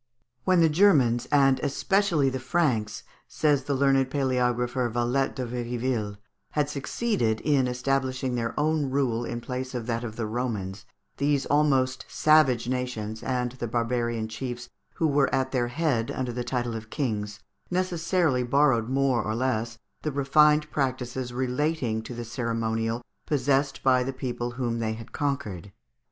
"When the Germans, and especially the Franks," says the learned paleographer Vallet de Viriville, "had succeeded in establishing their own rule in place of that of the Romans, these almost savage nations, and the barbarian chiefs who were at their head under the title of kings, necessarily borrowed more or less the refined practices relating to ceremonial possessed by the people whom they had conquered.